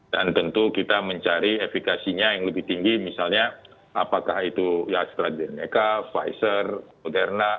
dan tentu kita mencari efikasinya yang lebih tinggi misalnya apakah itu astrazeneca pfizer moderna